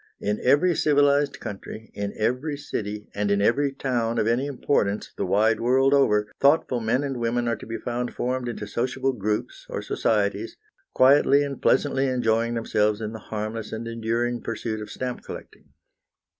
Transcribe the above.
In every civilised country, in every city, and in every town of any importance, the wide world over, thoughtful men and women are to be found formed into sociable groups, or societies, quietly and pleasantly enjoying themselves in the harmless and enduring pursuit of stamp collecting.